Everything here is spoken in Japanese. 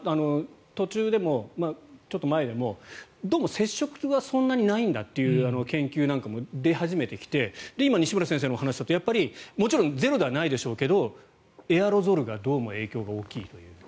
途中でも、ちょっと前でもどうも接触はそんなにないんだという研究なんかも出始めてきて今、西村先生の話だともちろんゼロではないでしょうけどエアロゾルがどうも影響が大きいという。